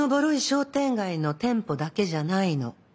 商店街の店舗だけじゃないの。